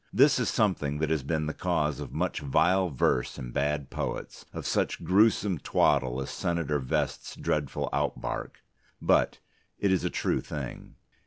This is something that has been the cause of much vile verse in bad poets, of such gruesome twaddle as Senator Vest's dreadful outbark. But it is a true thing.